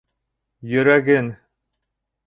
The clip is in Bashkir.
Йөрәген.